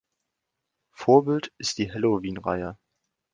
Vorbild ist die Halloween-Reihe.